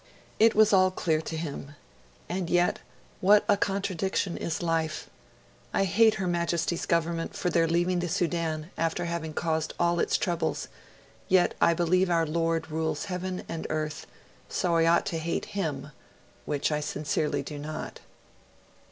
It was all clear to him. And yet 'what a contradiction, is life! I hate Her Majesty's Government for their leaving the Sudan after having caused all its troubles, yet I believe our Lord rules heaven and earth, so I ought to hate Him, which I (sincerely) do not.'